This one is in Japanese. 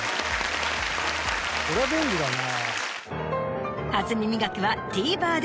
これは便利だな。